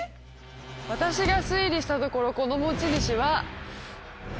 私が推理したところこの持ち主は。